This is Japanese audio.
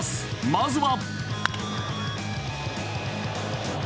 まずは。